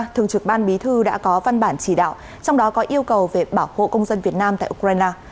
thường trực ban bí thư đã có văn bản chỉ đạo trong đó có yêu cầu về bảo hộ công dân việt nam tại ukraine